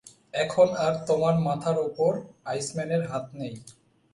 এখন আর তোমার মাথার ওপর আইসম্যানের হাত নেই।